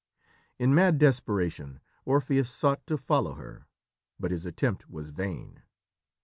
In mad desperation Orpheus sought to follow her, but his attempt was vain.